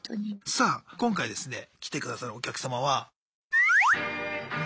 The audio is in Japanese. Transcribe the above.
さあ今回ですね来てくださるお客様は。